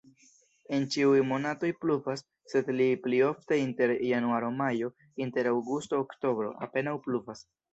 En ĉiuj monatoj pluvas, sed pli ofte inter januaro-majo, inter aŭgusto-oktobro apenaŭ pluvas.